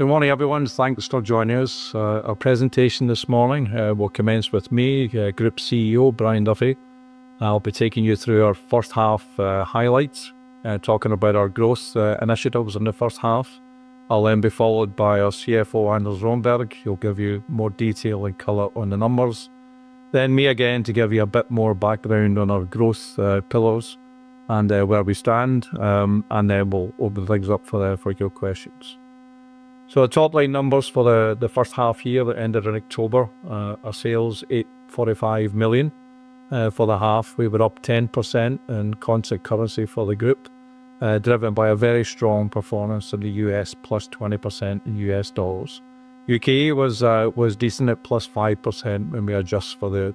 Good morning, everyone. Thanks for joining us. Our presentation this morning will commence with me, Group CEO Brian Duffy. I'll be taking you through our first half highlights, talking about our growth initiatives in the first half. I'll then be followed by our CFO Anders Romberg. He'll give you more detail and color on the numbers. Then me again to give you a bit more background on our growth pillars and where we stand. And then we'll open things up for your questions. So the top-line numbers for the first half year that ended in October, our sales: $845 million. For the half, we were up 10% in constant currency for the group, driven by a very strong performance in the U.S., plus 20% in U.S. dollars. U.K. was decent at plus 5% when we adjust for the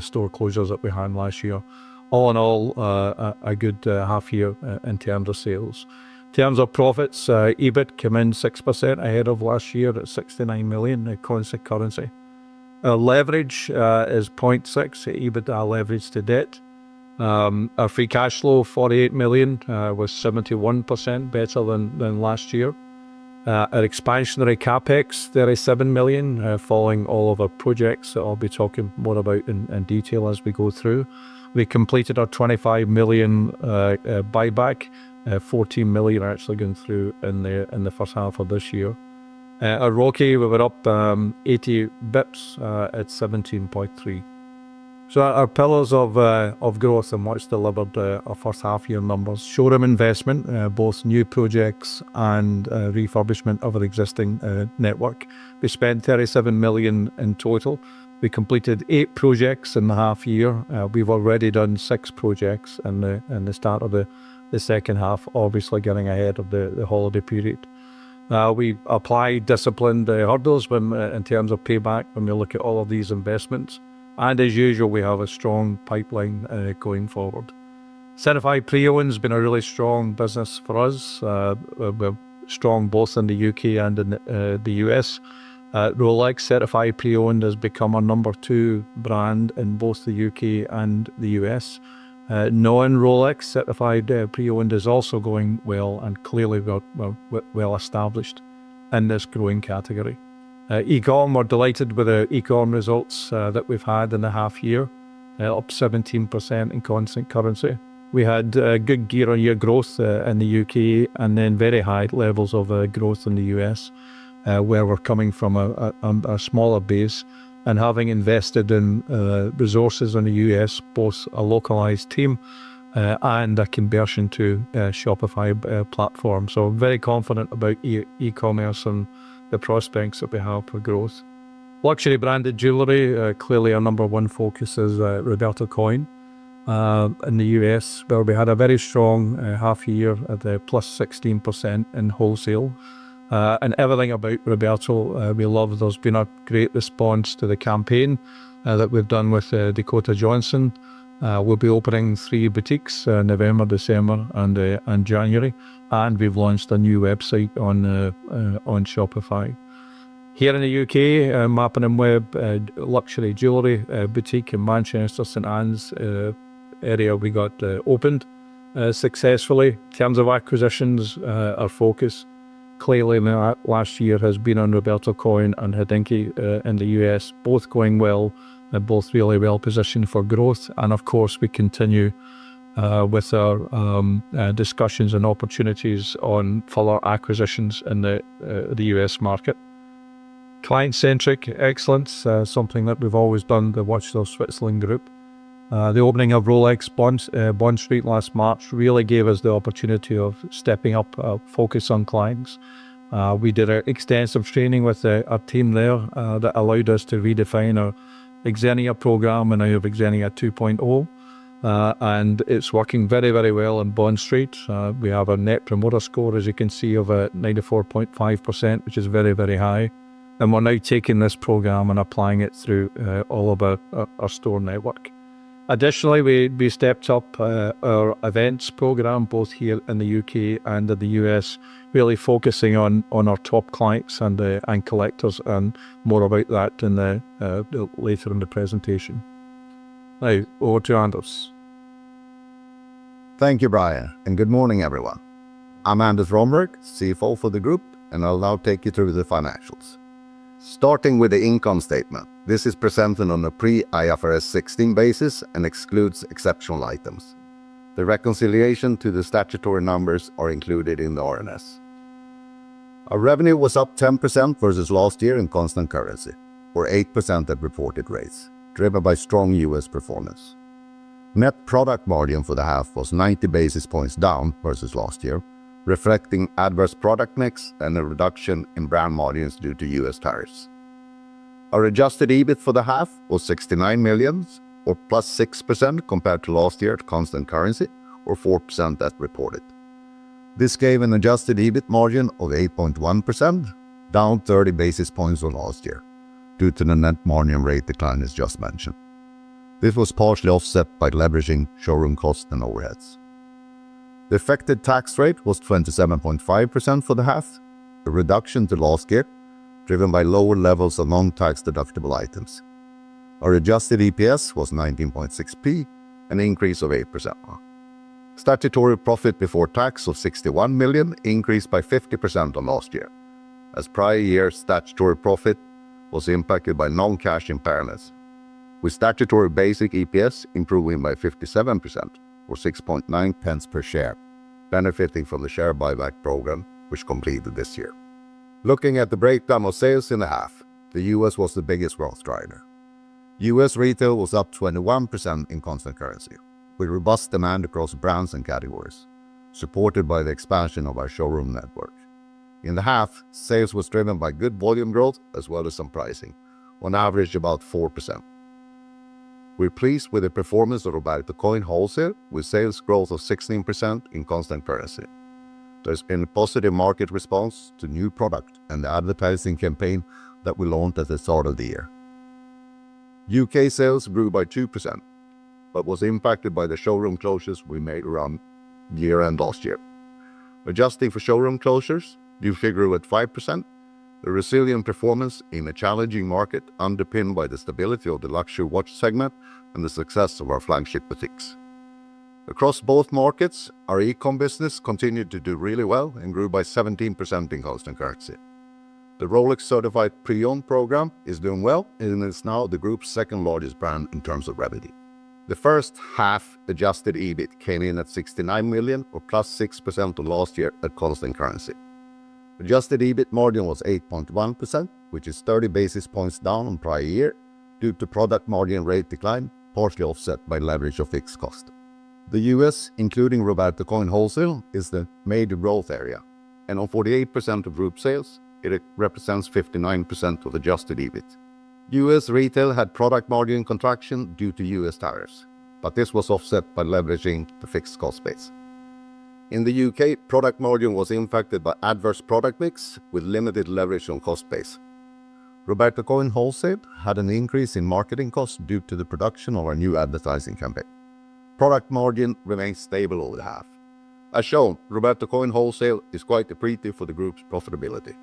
store closures that we had last year. All in all, a good half-year in terms of sales. In terms of profits, EBIT came in 6% ahead of last year at 69 million in constant currency. Leverage is 0.6, EBIT leveraged to debt. Our free cash flow, 48 million, was 71% better than last year. Our expansionary CapEx, 37 million, following all of our projects that I'll be talking more about in detail as we go through. We completed our 25 million buyback, 14 million actually going through in the first half of this year. Our ROCE, we were up 80 bps at 17.3%. Our pillars of growth and what's delivered our first half-year numbers: short-term investment, both new projects and refurbishment of our existing network. We spent 37 million in total. We completed eight projects in the half-year. We've already done six projects in the start of the second half, obviously getting ahead of the holiday period. We apply disciplined hurdles in terms of payback when we look at all of these investments, and as usual, we have a strong pipeline going forward. Certified Pre-Owned has been a really strong business for us. We're strong both in the U.K. and in the U.S. Rolex Certified Pre-Owned has become our number two brand in both the U.K. and the U.S. Non-Rolex Certified Pre-Owned is also going well and clearly well established in this growing category. E-com, we're delighted with our e-com results that we've had in the half-year, up 17% in constant currency. We had good year-on-year growth in the U.K. and then very high levels of growth in the U.S., where we're coming from a smaller base and having invested in resources in the U.S., both a localized team and a conversion to a Shopify platform. So very confident about e-commerce and the prospects that we have for growth. Luxury branded jewelry, clearly our number one focus is Roberto Coin in the U.S., where we had a very strong half-year at the plus 16% in wholesale. And everything about Roberto, we love it. There's been a great response to the campaign that we've done with Dakota Johnson. We'll be opening three boutiques in November, December, and January. And we've launched a new website on Shopify. Here in the U.K., Mappin & Webb Luxury Jewelry Boutique in Manchester, St Ann's area, we got opened successfully. In terms of acquisitions, our focus clearly last year has been on Roberto Coin and Hodinkee in the U.S., both going well and both really well positioned for growth, and of course, we continue with our discussions and opportunities on further acquisitions in the U.S. market. Client-centric excellence, something that we've always done at The Watches of Switzerland Group. The opening of Rolex Bond Street last March really gave us the opportunity of stepping up our focus on clients. We did an extensive training with our team there that allowed us to redefine our Xenia program and our Xenia 2.0, and it's working very, very well in Bond Street. We have a Net Promoter Score, as you can see, of 94.5%, which is very, very high, and we're now taking this program and applying it through all of our store network. Additionally, we stepped up our events program, both here in the U.K. and in the U.S., really focusing on our top clients and collectors and more about that later in the presentation. Now, over to Anders. Thank you, Brian, and good morning, everyone. I'm Anders Romberg, CFO for the group, and I'll now take you through the financials. Starting with the income statement, this is presented on a pre-IFRS 16 basis and excludes exceptional items. The reconciliation to the statutory numbers is included in the RNS. Our revenue was up 10% versus last year in constant currency, or 8% at reported rates, driven by strong U.S. performance. Net product volume for the half was 90 basis points down versus last year, reflecting adverse product mix and a reduction in brand margins due to U.S. tariffs. Our adjusted EBIT for the half was 69 million, or plus 6% compared to last year at constant currency, or 4% at reported. This gave an adjusted EBIT margin of 8.1%, down 30 basis points on last year due to the net margin rate decline as just mentioned. This was partially offset by leveraging showroom costs and overheads. The effective tax rate was 27.5% for the half, a reduction to last year, driven by lower levels of non-tax deductible items. Our adjusted EPS was 19.6p, an increase of 8%. Statutory profit before tax of 61 million increased by 50% on last year, as prior year statutory profit was impacted by non-cash impairments. With statutory basic EPS improving by 57%, or 0.069 per share, benefiting from the share buyback program, which completed this year. Looking at the breakdown of sales in the half, the U.S. was the biggest growth driver. U.S. retail was up 21% in constant currency, with robust demand across brands and categories, supported by the expansion of our showroom network. In the half, sales was driven by good volume growth as well as some pricing, on average about 4%. We're pleased with the performance of Roberto Coin wholesale, with sales growth of 16% in constant currency. There's been a positive market response to new product and the advertising campaign that we launched at the start of the year. U.K. sales grew by 2%, but was impacted by the showroom closures we made around year-end last year. Adjusting for showroom closures, we figure with 5%, the resilient performance in a challenging market underpinned by the stability of the luxury watch segment and the success of our flagship boutiques. Across both markets, our e-com business continued to do really well and grew by 17% in constant currency. The Rolex Certified Pre-Owned program is doing well, and it's now the group's second-largest brand in terms of revenue. The first half-adjusted EBIT came in at 69 million, or plus 6% on last year at constant currency. Adjusted EBIT margin was 8.1%, which is 30 basis points down on prior year due to product margin rate decline, partially offset by leverage of fixed cost. The U.S., including Roberto Coin wholesale, is the major growth area, and on 48% of group sales, it represents 59% of adjusted EBIT. U.S. retail had product margin contraction due to U.S. tariffs, but this was offset by leveraging the fixed cost base. In the U.K., product margin was impacted by adverse product mix, with limited leverage on cost base. Roberto Coin wholesale had an increase in marketing costs due to the production of our new advertising campaign. Product margin remained stable over the half. As shown, Roberto Coin wholesale is quite appreciable for the group's profitability.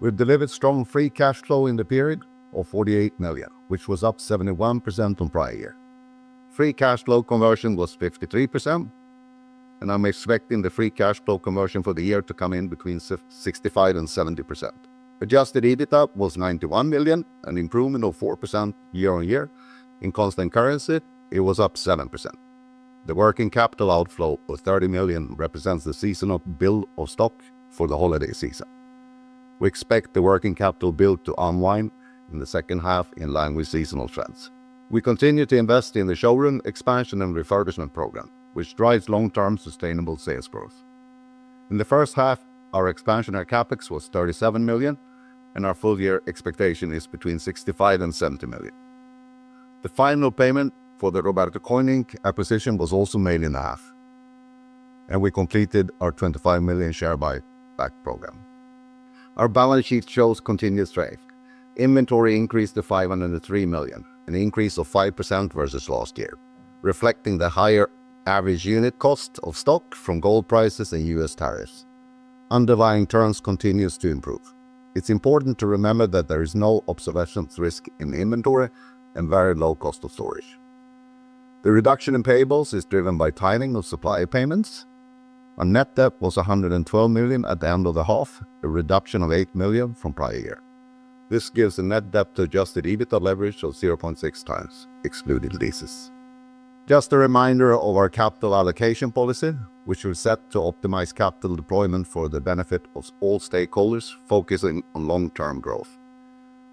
We've delivered strong free cash flow in the period of 48 million, which was up 71% on prior year. Free cash flow conversion was 53%, and I'm expecting the free cash flow conversion for the year to come in between 65% and 70%. Adjusted EBITDA was 91 million, an improvement of 4% year-over-year. In constant currency, it was up 7%. The working capital outflow of 30 million represents the seasonal build of stock for the holiday season. We expect the working capital build to unwind in the second half in line with seasonal trends. We continue to invest in the showroom expansion and refurbishment program, which drives long-term sustainable sales growth. In the first half, our expansionary CapEx was 37 million, and our full-year expectation is between 65 million and 70 million. The final payment for the Roberto Coin Inc acquisition was also made in the half, and we completed our 25 million share buyback program. Our balance sheet shows continued strength. Inventory increased to 503 million, an increase of 5% versus last year, reflecting the higher average unit cost of stock from gold prices and U.S. tariffs. Underlying terms continue to improve. It's important to remember that there is no observation of risk in inventory and very low cost of storage. The reduction in payables is driven by timing of supply payments. Our net debt was 112 million at the end of the half, a reduction of 8 million from prior year. This gives a net debt-to-adjusted EBITDA leverage of 0.6 times, excluding leases. Just a reminder of our capital allocation policy, which was set to optimize capital deployment for the benefit of all stakeholders focusing on long-term growth.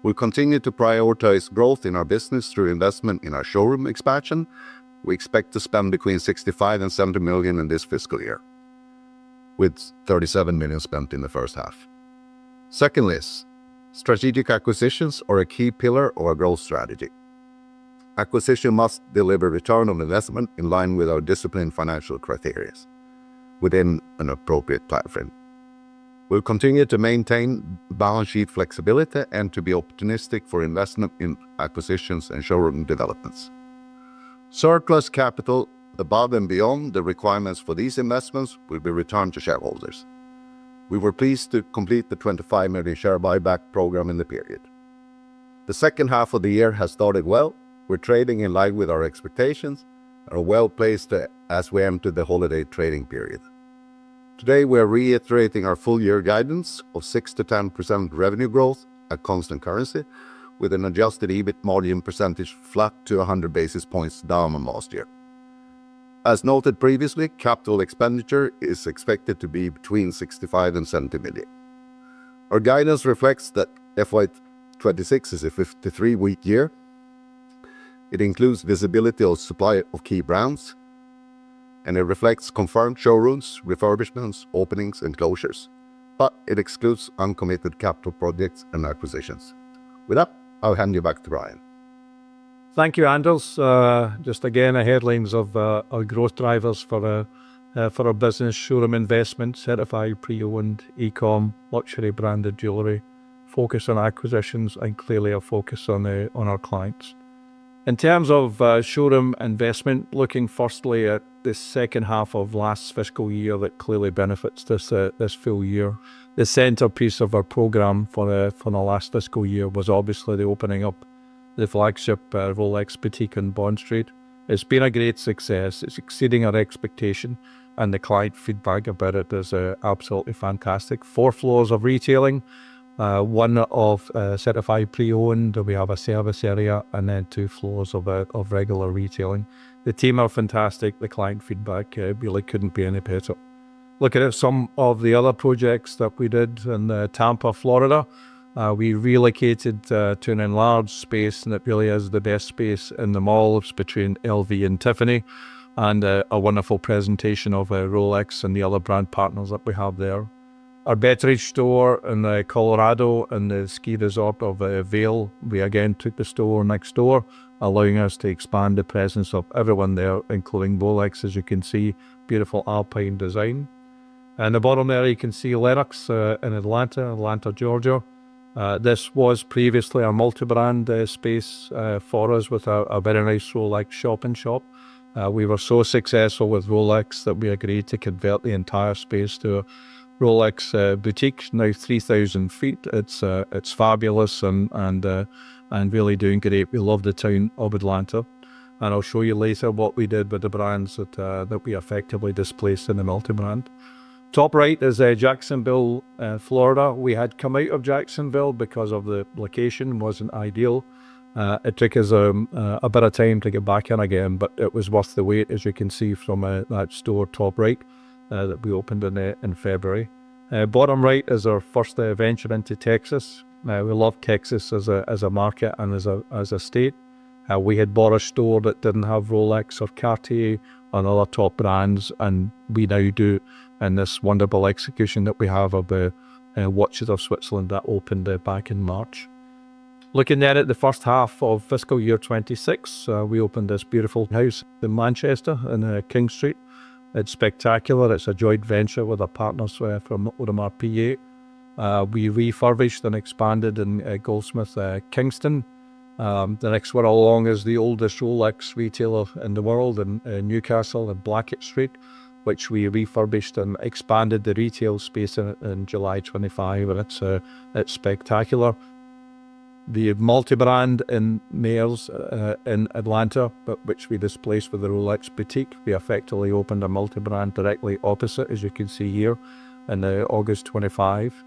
We continue to prioritize growth in our business through investment in our showroom expansion. We expect to spend between 65 million and 70 million in this fiscal year, with 37 million spent in the first half. Secondly, strategic acquisitions are a key pillar of our growth strategy. Acquisition must deliver return on investment in line with our disciplined financial criteria within an appropriate timeframe. We'll continue to maintain balance sheet flexibility and to be optimistic for investment in acquisitions and showroom developments. Surplus capital above and beyond the requirements for these investments will be returned to shareholders. We were pleased to complete the 25 million share buyback program in the period. The second half of the year has started well. We're trading in line with our expectations and are well placed as we enter the holiday trading period. Today, we're reiterating our full-year guidance of 6%-10% revenue growth at constant currency, with an Adjusted EBIT margin percentage flat to 100 basis points down on last year. As noted previously, capital expenditure is expected to be between 65 million and 70 million. Our guidance reflects that FY26 is a 53-week year. It includes visibility of supply of key brands, and it reflects confirmed showrooms, refurbishments, openings, and closures, but it excludes uncommitted capital projects and acquisitions. With that, I'll hand you back to Brian. Thank you, Anders. Just again, a headlines of our growth drivers for our business: showroom investment, Certified Pre-Owned E-com, luxury branded jewelry, focus on acquisitions, and clearly a focus on our clients. In terms of showroom investment, looking firstly at the second half of last fiscal year that clearly benefits this full year, the centerpiece of our program for the last fiscal year was obviously the opening of the flagship Rolex boutique in Bond Street. It's been a great success. It's exceeding our expectation, and the client feedback about it is absolutely fantastic. Four floors of retailing, one of Certified Pre-Owned, we have a service area, and then two floors of regular retailing. The team are fantastic. The client feedback really couldn't be any better. Looking at some of the other projects that we did in Tampa, Florida, we relocated to an enlarged space, and it really is the best space in the mall between LV and Tiffany, and a wonderful presentation of Rolex and the other brand partners that we have there. Our Betteridge store in Colorado and the ski resort of Vail, we again took the store next door, allowing us to expand the presence of everyone there, including Rolex, as you can see, beautiful Alpine design. At the bottom there, you can see Lenox Square in Atlanta, Georgia. This was previously a multi-brand space for us with a very nice Rolex shop-in-shop. We were so successful with Rolex that we agreed to convert the entire space to a Rolex boutique. Now, 3,000 ft, it's fabulous and really doing great. We love the town of Atlanta. I'll show you later what we did with the brands that we effectively displaced in the multi-brand. Top right is Jacksonville, Florida. We had come out of Jacksonville because the location wasn't ideal. It took us a bit of time to get back in again, but it was worth the wait, as you can see from that store top right that we opened in February. Bottom right is our first venture into Texas. We love Texas as a market and as a state. We had bought a store that didn't have Rolex or Cartier and other top brands, and we now do in this wonderful execution that we have of The Watches of Switzerland that opened back in March. Looking at it, the first half of fiscal year 2026, we opened this beautiful house in Manchester in King Street. It's spectacular. It's a joint venture with our partners from Audemars Piguet. We refurbished and expanded in Goldsmiths Kingston. The next one along is the oldest Rolex retailer in the world in Newcastle and Blackett Street, which we refurbished and expanded the retail space in July 2025. It's spectacular. The multi-brand in Mayors in Atlanta, which we displaced with the Rolex boutique, we effectively opened a multi-brand directly opposite, as you can see here, in August 2025.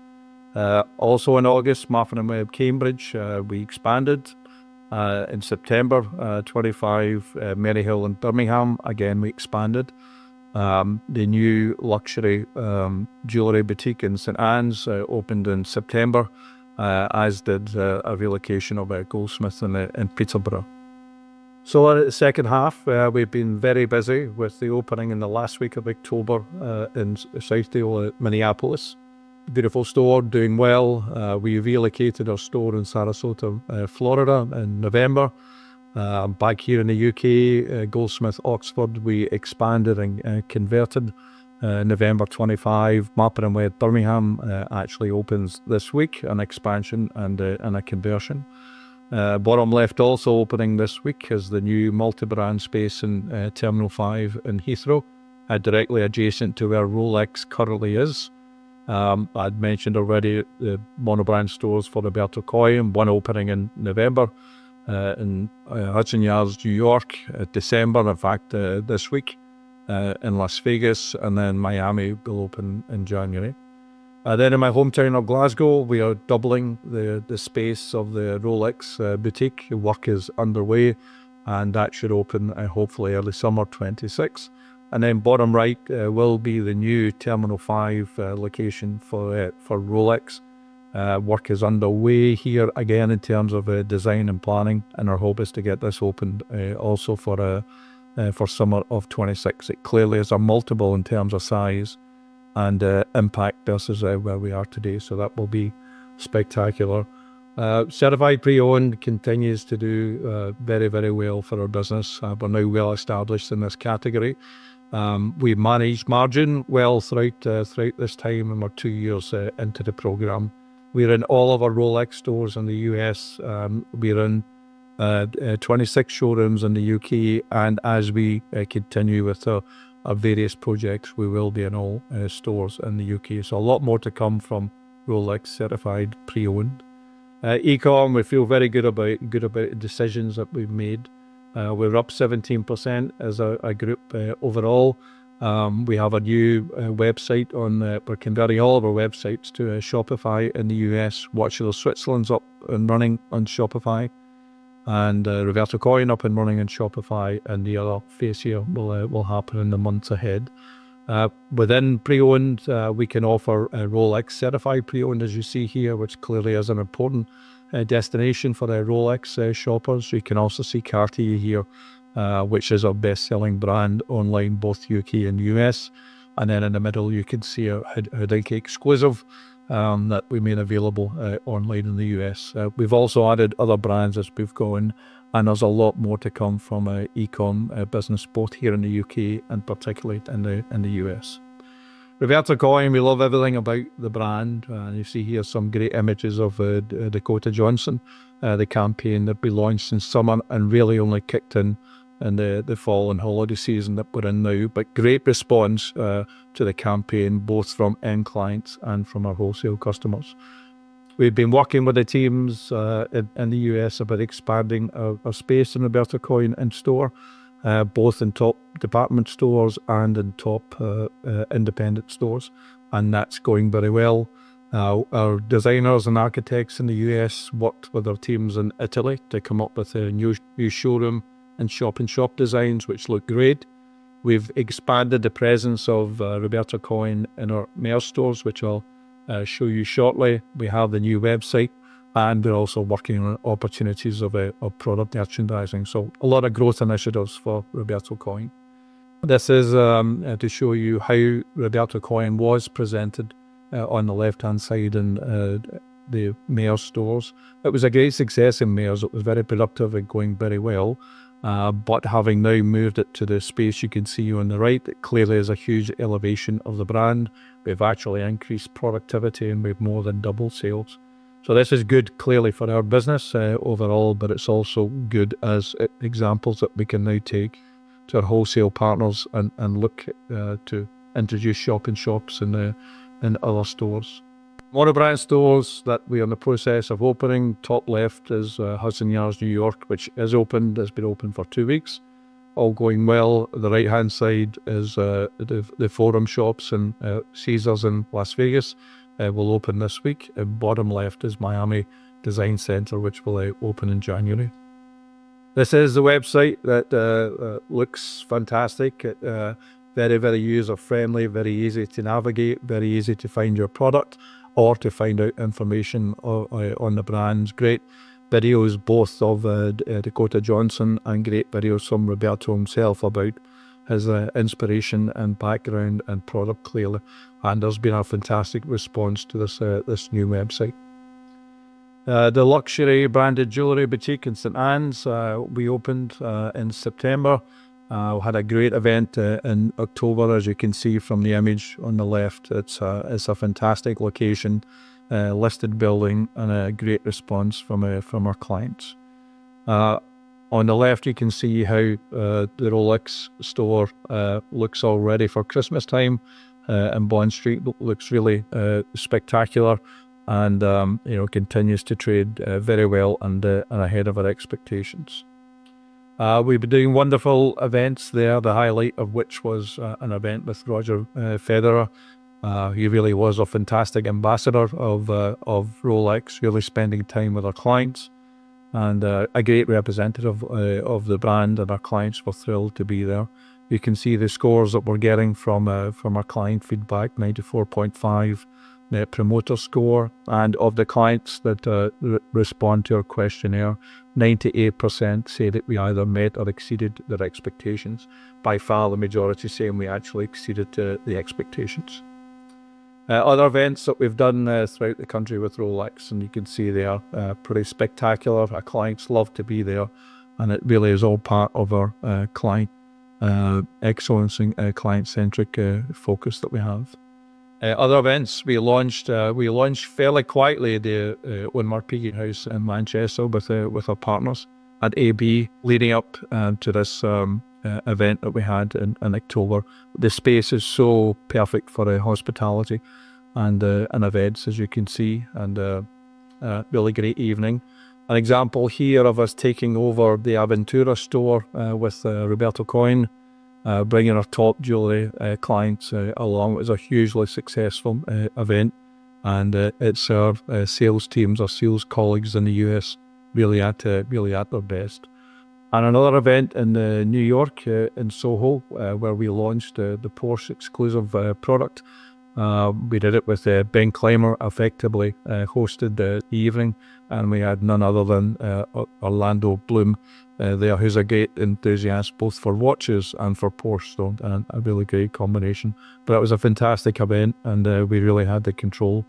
Also in August, Mappin & Webb Cambridge, we expanded. In September 2025, Merry Hill and Birmingham, again, we expanded. The new luxury jewelry boutique in St Ann's opened in September, as did a relocation of Goldsmiths in Peterborough. So in the second half, we've been very busy with the opening in the last week of October in Southdale, Minneapolis. Beautiful store, doing well. We relocated our store in Sarasota, Florida, in November. Back here in the U.K., Goldsmiths Oxford, we expanded and converted in November 2025. Mappin & Webb Birmingham actually opened this week, an expansion and a conversion. Bottom left also opening this week is the new multi-brand space in Terminal 5 in Heathrow, directly adjacent to where Rolex currently is. I'd mentioned already the monobrand stores for Roberto Coin, one opening in November in Hudson Yards, New York, and in December, in fact, this week in Las Vegas, and then Miami will open in January. Then in my hometown of Glasgow, we are doubling the space of the Rolex boutique. Work is underway, and that should open hopefully early summer 2026. Bottom right will be the new Terminal 5 location for Rolex. Work is underway here again in terms of design and planning, and our hope is to get this open also for summer of 2026. It clearly is a multiple in terms of size and impact versus where we are today, so that will be spectacular. Certified Pre-Owned continues to do very, very well for our business. We're now well established in this category. We've managed margin well throughout this time and our two years into the program. We're in all of our Rolex stores in the U.S. We're in 26 showrooms in the U.K., and as we continue with our various projects, we will be in all stores in the U.K. So a lot more to come from Rolex Certified Pre-Owned. E-com, we feel very good about the decisions that we've made. We're up 17% as a group overall. We have a new website and we're converting all of our websites to Shopify in the U.S. Watches of Switzerland's up and running on Shopify, and Roberto Coin up and running on Shopify, and the other phase here will happen in the months ahead. Within Pre-Owned, we can offer a Rolex Certified Pre-Owned, as you see here, which clearly is an important destination for our Rolex shoppers. You can also see Cartier here, which is our best-selling brand online, both U.K. and U.S., and then in the middle, you can see a direct exclusive that we made available online in the U.S. We've also added other brands as we've gone, and there's a lot more to come from our e-com business, both here in the U.K. and particularly in the U.S. Roberto Coin, we love everything about the brand. You see here some great images of Dakota Johnson, the campaign that we launched in summer and really only kicked in in the fall and holiday season that we're in now, but great response to the campaign, both from end clients and from our wholesale customers. We've been working with the teams in the U.S. about expanding our space in Roberto Coin in store, both in top department stores and in top independent stores, and that's going very well. Our designers and architects in the U.S. worked with our teams in Italy to come up with a new showroom and shop-in-shop designs, which look great. We've expanded the presence of Roberto Coin in our Mayors stores, which I'll show you shortly. We have the new website, and we're also working on opportunities of product merchandising. So a lot of growth initiatives for Roberto Coin. This is to show you how Roberto Coin was presented on the left-hand side in the Mayors stores. It was a great success in Mayors. It was very productive and going very well. But having now moved it to the space you can see on the right, it clearly is a huge elevation of the brand. We've actually increased productivity, and we've more than doubled sales. So this is good clearly for our business overall, but it's also good as examples that we can now take to our wholesale partners and look to introduce shop-in-shops in other stores. Mono-brand stores that we are in the process of opening. Top left is Hudson Yards, New York, which has opened. It's been open for two weeks. All going well. The right-hand side is the Forum Shops at Caesars in Las Vegas. We'll open this week. Bottom left is Miami Design District, which will open in January. This is the website that looks fantastic. Very, very user-friendly, very easy to navigate, very easy to find your product or to find out information on the brands. Great videos, both of Dakota Johnson and great videos from Roberto himself about his inspiration and background and product clearly. There's been a fantastic response to this new website. The luxury branded jewelry boutique in St Ann's Square, we opened in September. We had a great event in October, as you can see from the image on the left. It's a fantastic location, listed building, and a great response from our clients. On the left, you can see how the Rolex store looks already for Christmas time. Bond Street looks really spectacular and continues to trade very well and ahead of our expectations. We've been doing wonderful events there, the highlight of which was an event with Roger Federer. He really was a fantastic ambassador of Rolex, really spending time with our clients and a great representative of the brand and our clients were thrilled to be there. You can see the scores that we're getting from our client feedback, 94.5 Net Promoter Score. Of the clients that respond to our questionnaire, 98% say that we either met or exceeded their expectations. By far, the majority say we actually exceeded the expectations. Other events that we've done throughout the country with Rolex, and you can see they are pretty spectacular. Our clients love to be there, and it really is all part of our client excellence and client-centric focus that we have. Other events we launched fairly quietly at the AP House in Manchester with our partners at AP leading up to this event that we had in October. The space is so perfect for hospitality and events, as you can see, and a really great evening. An example here of us taking over the Aventura store with Roberto Coin, bringing our top jewelry clients along. It was a hugely successful event, and it served sales teams, our sales colleagues in the U.S. really at their best. Another event in New York, in Soho, where we launched the Porsche exclusive product. We did it with Ben Clymer effectively, hosted the evening, and we had none other than Orlando Bloom there, who's a great enthusiast both for watches and for Porsche. A really great combination. But it was a fantastic event, and we really had the control,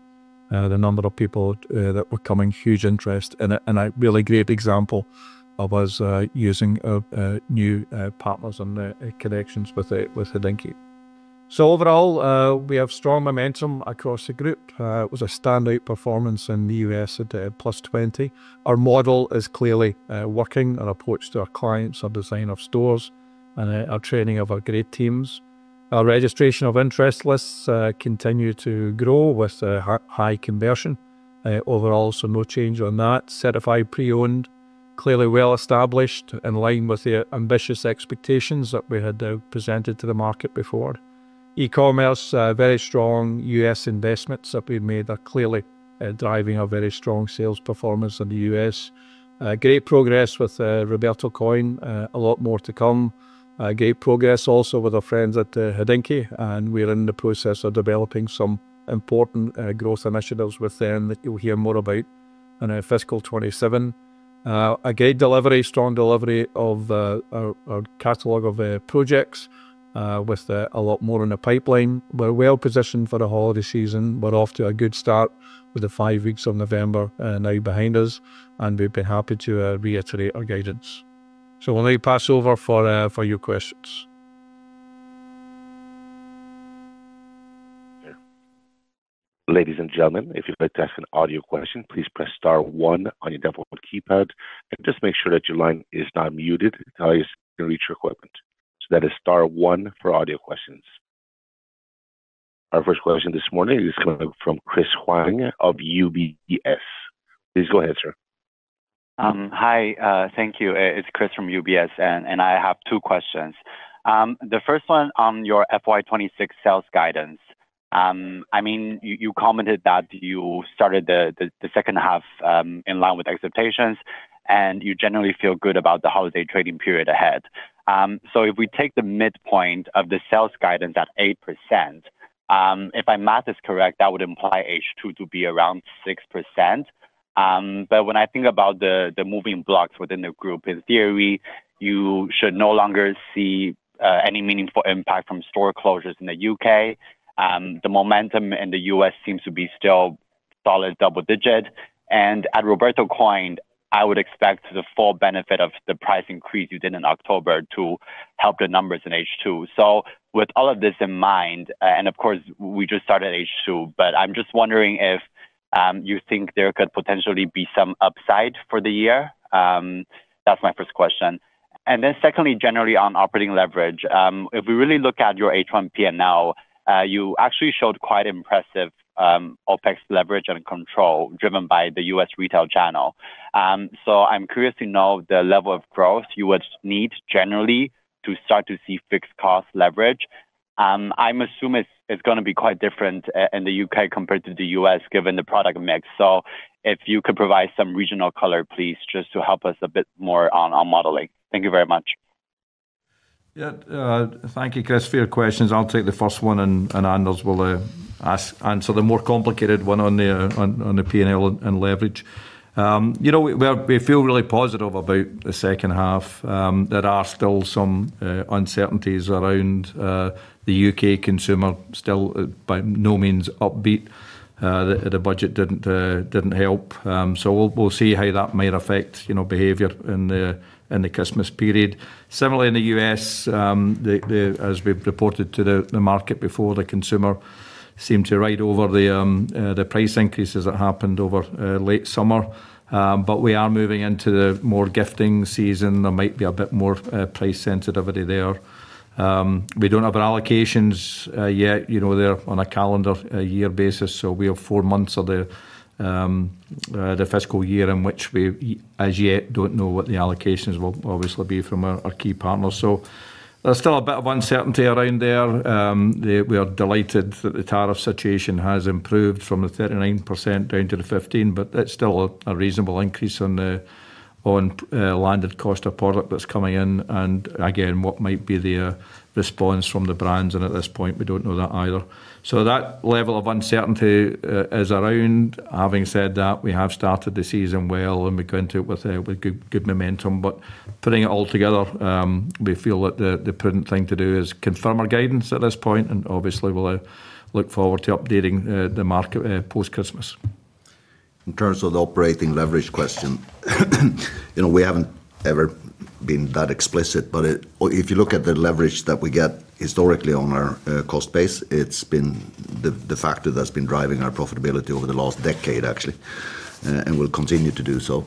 the number of people that were coming, huge interest in it, and a really great example of us using new partners and connections with Hodinkee. So overall, we have strong momentum across the group. It was a standout performance in the U.S. at +20%. Our model is clearly working on our approach to our clients, our design of stores, and our training of our great teams. Our registration of interest lists continue to grow with high conversion overall, so no change on that. Certified Pre-Owned, clearly well established, in line with the ambitious expectations that we had presented to the market before. E-commerce, very strong U.S. investments that we've made are clearly driving a very strong sales performance in the U.S. Great progress with Roberto Coin, a lot more to come. Great progress also with our friends at Hodinkee, and we're in the process of developing some important growth initiatives with them that you'll hear more about in fiscal 27. A great delivery, strong delivery of our catalog of projects with a lot more in the pipeline. We're well positioned for the holiday season. We're off to a good start with the five weeks of November now behind us, and we've been happy to reiterate our guidance. So I'll now pass over for your questions. Ladies and gentlemen, if you'd like to ask an audio question, please press star one on your telephone keypad and just make sure that your line is now muted until I reach your equipment. So that is star one for audio questions. Our first question this morning is coming from Chris Huang of UBS. Please go ahead, sir. Hi, thank you. It's Chris from UBS, and I have two questions. The first one on your FY26 sales guidance. I mean, you commented that you started the second half in line with expectations, and you generally feel good about the holiday trading period ahead. So if we take the midpoint of the sales guidance at 8%, if I do the math correctly, that would imply H2 to be around 6%. But when I think about the moving parts within the group, in theory, you should no longer see any meaningful impact from store closures in the U.K. The momentum in the U.S. seems to be still solid double digit. And at Roberto Coin, I would expect the full benefit of the price increase you did in October to help the numbers in H2. So with all of this in mind, and of course, we just started H2, but I'm just wondering if you think there could potentially be some upside for the year. That's my first question. And then secondly, generally on operating leverage, if we really look at your H1 P&L, you actually showed quite impressive OPEX leverage and control driven by the U.S. retail channel. So I'm curious to know the level of growth you would need generally to start to see fixed cost leverage. I'm assuming it's going to be quite different in the U.K. compared to the U.S. given the product mix. So if you could provide some regional color, please, just to help us a bit more on modeling. Thank you very much. Yeah, thank you, Chris. A few questions. I'll take the first one, and Anders will answer the more complicated one on the P&L and leverage. We feel really positive about the second half. There are still some uncertainties around the U.K. consumer, still by no means upbeat. The budget didn't help. So we'll see how that might affect behavior in the Christmas period. Similarly, in the U.S., as we've reported to the market before, the consumer seemed to ride over the price increases that happened over late summer. But we are moving into the more gifting season. There might be a bit more price sensitivity there. We don't have allocations yet. They're on a calendar year basis, so we have four months of the fiscal year in which we, as yet, don't know what the allocations will obviously be from our key partners. So there's still a bit of uncertainty around there. We are delighted that the tariff situation has improved from the 39% down to the 15%, but it's still a reasonable increase on the landed cost of product that's coming in. And again, what might be the response from the brands? And at this point, we don't know that either. So that level of uncertainty is around. Having said that, we have started the season well, and we're going to it with good momentum. But putting it all together, we feel that the prudent thing to do is confirm our guidance at this point, and obviously, we'll look forward to updating the market post-Christmas. In terms of the operating leverage question, we haven't ever been that explicit, but if you look at the leverage that we get historically on our cost base, it's been the factor that's been driving our profitability over the last decade, actually, and will continue to do so.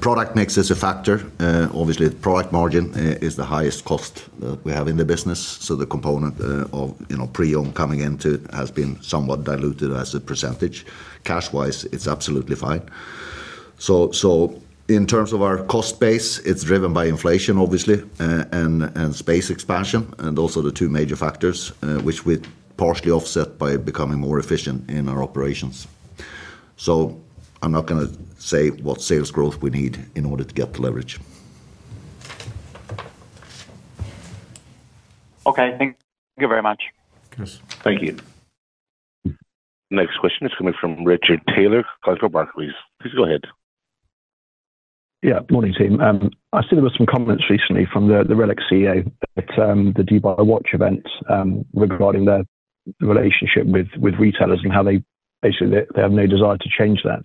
Product mix is a factor. Obviously, product margin is the highest cost that we have in the business. So the component of pre-owned coming into it has been somewhat diluted as a percentage. Cash-wise, it's absolutely fine. So in terms of our cost base, it's driven by inflation, obviously, and space expansion, and also the two major factors, which we partially offset by becoming more efficient in our operations. So I'm not going to say what sales growth we need in order to get the leverage. Okay, thank you very much. Thank you. Next question is coming from Richard Taylor, Barclays. Please go ahead. Yeah, morning, team. I see there were some comments recently from the Rolex CEO at the Dubai Watch Week regarding their relationship with retailers and how they basically have no desire to change that.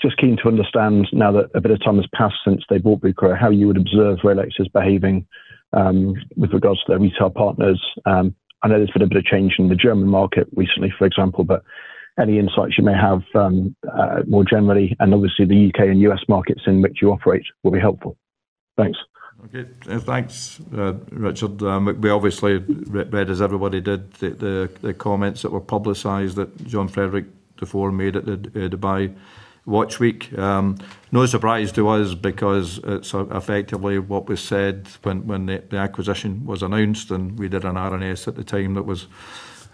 Just keen to understand now that a bit of time has passed since they bought Bucherer, how you would observe Rolex's behavior with regards to their retail partners. I know there's been a bit of change in the German market recently, for example, but any insights you may have more generally, and obviously the U.K. and U.S. markets in which you operate, will be helpful. Thanks. Okay, thanks, Richard. We obviously read, as everybody did, the comments that were publicized that Jean-Frédéric Dufour made at the Dubai Watch Week. No surprise to us because it's effectively what was said when the acquisition was announced, and we did an RNS at the time that was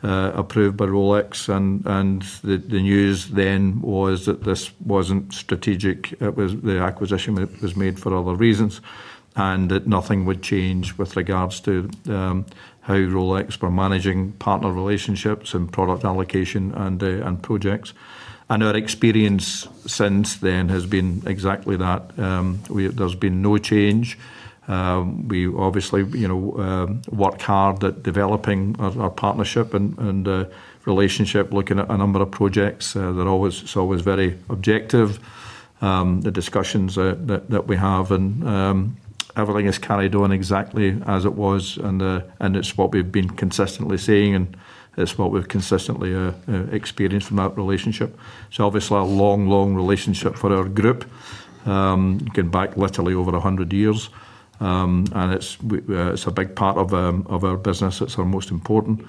approved by Rolex. And the news then was that this wasn't strategic. The acquisition was made for other reasons and that nothing would change with regards to how Rolex were managing partner relationships and product allocation and projects. And our experience since then has been exactly that. There's been no change. We obviously work hard at developing our partnership and relationship, looking at a number of projects. It's always very objective. The discussions that we have and everything is carried on exactly as it was, and it's what we've been consistently seeing, and it's what we've consistently experienced from that relationship. It's obviously a long, long relationship for our group, going back literally over 100 years. And it's a big part of our business. It's our most important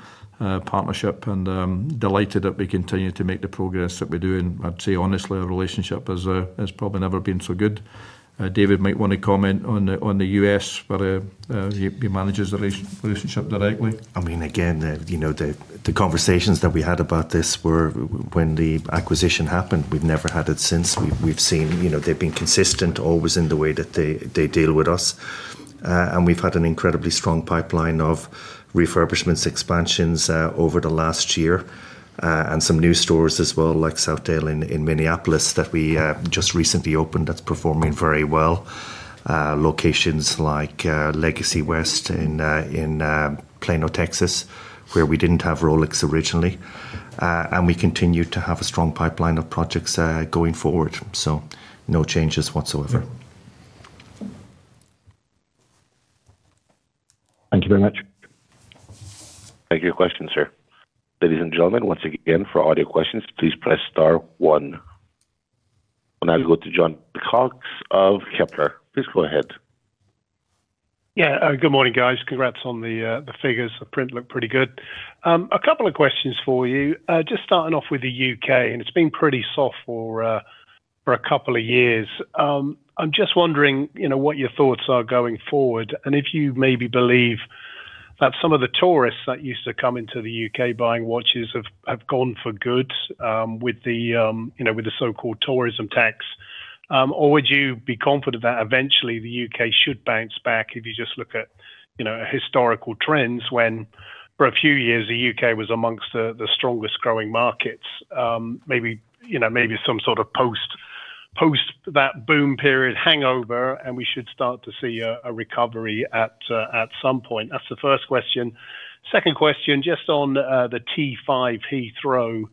partnership, and delighted that we continue to make the progress that we're doing. I'd say, honestly, our relationship has probably never been so good. David might want to comment on the U.S. where he manages the relationship directly. I mean, again, the conversations that we had about this were when the acquisition happened. We've never had it since. We've seen they've been consistent always in the way that they deal with us. And we've had an incredibly strong pipeline of refurbishments, expansions over the last year, and some new stores as well, like Southdale in Minneapolis that we just recently opened that's performing very well. Locations like Legacy West in Plano, Texas, where we didn't have Rolex originally. And we continue to have a strong pipeline of projects going forward. So no changes whatsoever. Thank you very much. Thank you. Question, sir. Ladies and gentlemen, once again, for audio questions, please press star one. I'll now go to Jon Cox of Kepler. Please go ahead. Yeah, good morning, guys. Congrats on the figures. The print looked pretty good. A couple of questions for you. Just starting off with the U.K., and it's been pretty soft for a couple of years. I'm just wondering what your thoughts are going forward, and if you maybe believe that some of the tourists that used to come into the U.K. buying watches have gone for good with the so-called tourism tax, or would you be confident that eventually the U.K. should bounce back if you just look at historical trends when for a few years the U.K. was amongst the strongest growing markets? Maybe some sort of post that boom period hangover, and we should start to see a recovery at some point. That's the first question. Second question, just on the T5 Heathrow,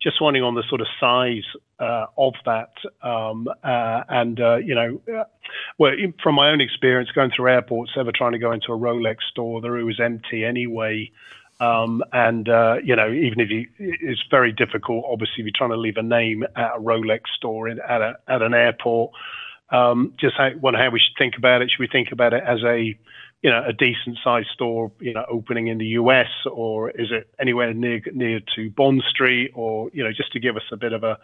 just wondering on the sort of size of that. And from my own experience, going through airports, ever trying to go into a Rolex store, the room was empty anyway. And even if it's very difficult, obviously, if you're trying to leave a name at a Rolex store at an airport, just how we should think about it? Should we think about it as a decent-sized store opening in the U.S., or is it anywhere near to Bond Street, or just to give us a bit of a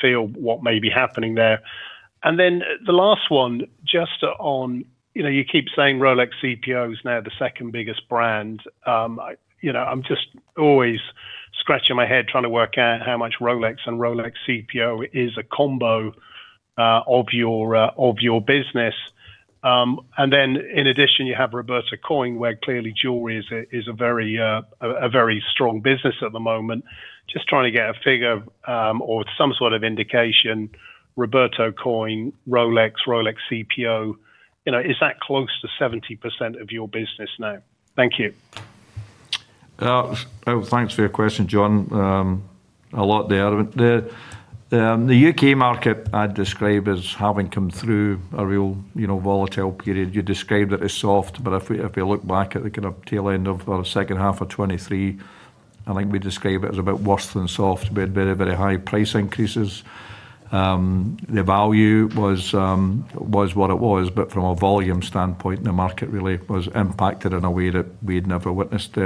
feel of what may be happening there? And then the last one, just on you keep saying Rolex CPO is now the second biggest brand. I'm just always scratching my head trying to work out how much Rolex and Rolex CPO is a combo of your business. And then in addition, you have Roberto Coin, where clearly jewelry is a very strong business at the moment. Just trying to get a figure or some sort of indication: Roberto Coin, Rolex, Rolex CPO. Is that close to 70% of your business now? Thank you. Thanks for your question, John. A lot there. The U.K. market I'd describe as having come through a real volatile period. You described it as soft, but if we look back at the kind of tail end of the second half of 2023, I think we describe it as a bit worse than soft. We had very, very high price increases. The value was what it was, but from a volume standpoint, the market really was impacted in a way that we'd never witnessed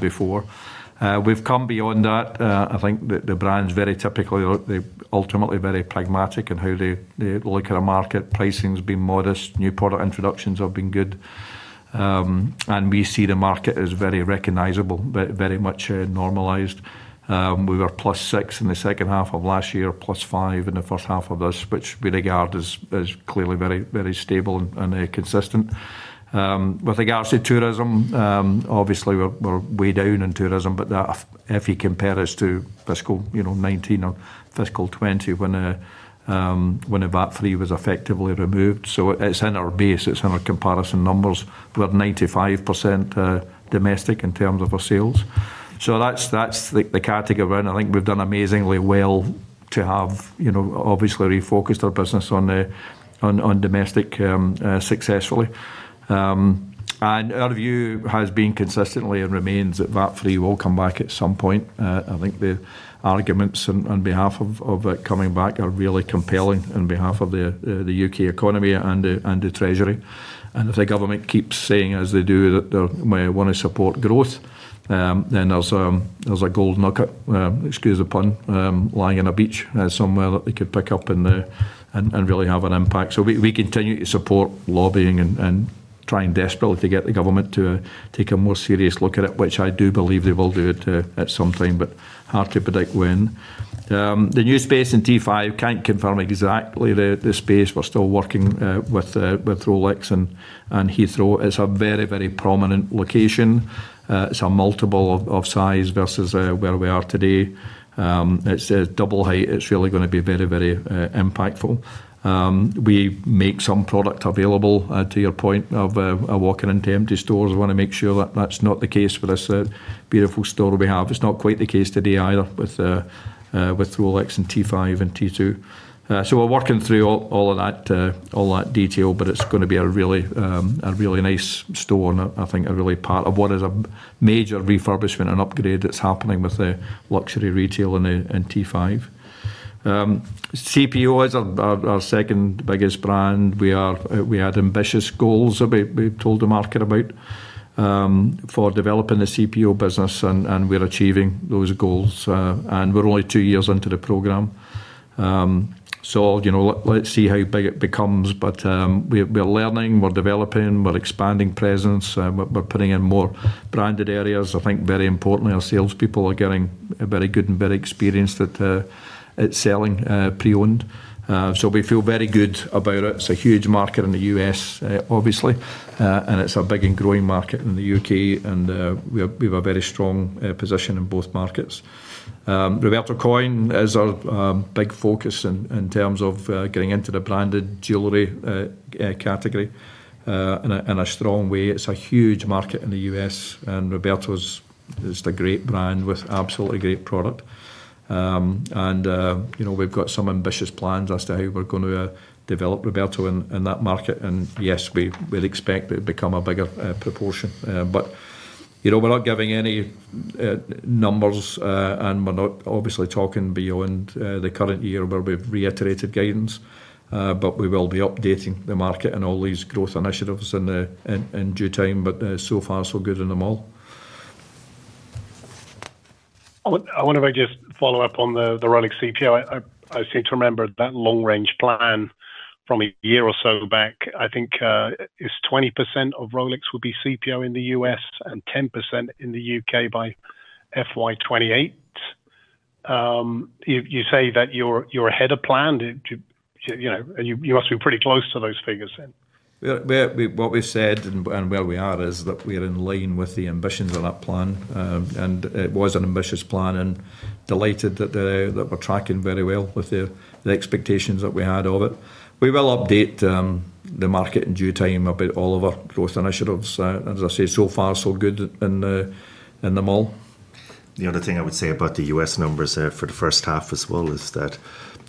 before. We've come beyond that. I think that the brands very typically look ultimately very pragmatic in how they look at a market. Pricing has been modest. New product introductions have been good, and we see the market as very recognizable, very much normalized. We were plus 6% in the second half of last year, plus 5% in the first half of this, which we regard as clearly very stable and consistent. With regards to tourism, obviously, we're way down in tourism, but if you compare us to fiscal 2019 or fiscal 2020 when VAT-free was effectively removed. So it's in our base. It's in our comparison numbers. We're 95% domestic in terms of our sales. So that's the category, and I think we've done amazingly well to have obviously refocused our business on domestic successfully, and our view has been consistently and remains that VAT-free will come back at some point. I think the arguments on behalf of it coming back are really compelling on behalf of the U.K. economy and the treasury. And if the government keeps saying, as they do, that they want to support growth, then there's a gold nugget, excuse the pun, lying on a beach somewhere that they could pick up and really have an impact. So we continue to support lobbying and trying desperately to get the government to take a more serious look at it, which I do believe they will do at some time, but hard to predict when. The new space in T5, can't confirm exactly the space. We're still working with Rolex and Heathrow. It's a very, very prominent location. It's a multiple of size versus where we are today. It's a double height. It's really going to be very, very impactful. We make some product available, to your point of walking into empty stores. I want to make sure that that's not the case for this beautiful store we have. It's not quite the case today either with Rolex and T5 and T2. So we're working through all of that detail, but it's going to be a really nice store, and I think a real part of what is a major refurbishment and upgrade that's happening with the luxury retail in T5. CPO is our second biggest brand. We had ambitious goals that we've told the market about for developing the CPO business, and we're achieving those goals, and we're only two years into the program, so let's see how big it becomes, but we're learning, we're developing, we're expanding presence, we're putting in more branded areas. I think very importantly, our salespeople are getting very good and very experienced at selling Pre-Owned. So we feel very good about it. It's a huge market in the U.S., obviously, and it's a big and growing market in the U.K., and we have a very strong position in both markets. Roberto Coin is our big focus in terms of getting into the branded jewelry category in a strong way. It's a huge market in the U.S., and Roberto is just a great brand with absolutely great product. And we've got some ambitious plans as to how we're going to develop Roberto in that market. And yes, we'd expect it to become a bigger proportion. But we're not giving any numbers, and we're not obviously talking beyond the current year where we've reiterated guidance, but we will be updating the market and all these growth initiatives in due time. But so far, so good in them all. I want to just follow up on the Rolex CPO. I seem to remember that long-range plan from a year or so back. I think it's 20% of Rolex would be CPO in the U.S. and 10% in the U.K. by FY28. You say that you're ahead of plan. You must be pretty close to those figures then. What we said and where we are is that we are in line with the ambitions on that plan, and it was an ambitious plan and delighted that we're tracking very well with the expectations that we had of it. We will update the market in due time about all of our growth initiatives. As I say, so far, so good in them all. The other thing I would say about the U.S. numbers for the first half as well is that